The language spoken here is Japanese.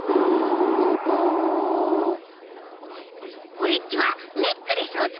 オレっちはネックレスをつくるぞ。